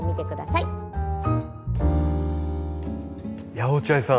いや落合さん